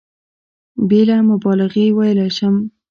بېله مبالغې ویلای شم.